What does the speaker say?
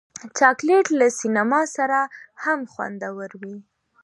چاکلېټ له سینما سره هم خوندور وي.